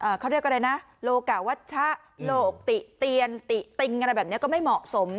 เขาเรียกอะไรนะโลกะวัชชะโลกติเตียนติติงอะไรแบบนี้ก็ไม่เหมาะสม